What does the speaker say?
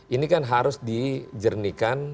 ini kan harus dijernikan